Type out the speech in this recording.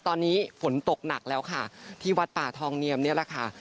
ตอนนี้ฝนตกหนักแล้วค่ะที่วัดป่าทองเนียมนี่แหละค่ะ